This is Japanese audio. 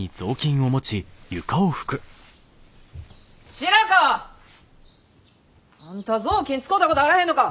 白川！あんた雑巾使たことあらへんのか。